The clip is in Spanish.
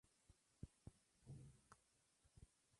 Reside en Melilla, Rafael Freyre.